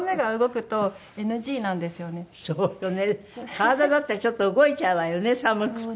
体だってちょっと動いちゃうわよね寒くて。